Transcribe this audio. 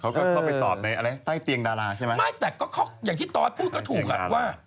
เขาก็เข้าไปตอบในอะไรใต้เตียงดาราใช่ไหมไม่แต่ก็เขาอย่างที่ตอสพูดก็ถูกอ่ะว่า